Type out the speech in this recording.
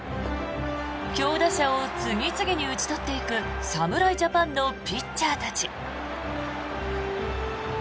強打者を次々に打ち取っていく侍ジャパンのピッチャーたち。